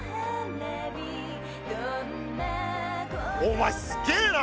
お前すげえな！